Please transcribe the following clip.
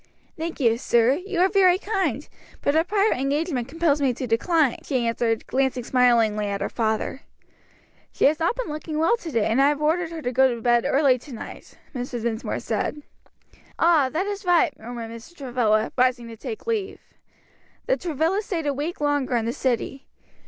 "Thank you, sir, you are very kind, but a prior engagement compels me to decline," she answered, glancing smilingly at her father. "She has not been looking well to day, and I have ordered her to go early to bed to night," Mr. Dinsmore said. "Ah, that is right!" murmured Mr. Travilla, rising to take leave. The Travillas staid a week longer in the city.